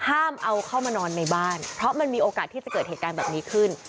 ห้ามเอาเข้ามานอนในบ้านเพราะมันมีโอกาสที่จะเกิดเหตุการณ์แบบนี้ขึ้น